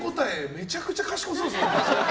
めちゃくちゃかしこそうですね。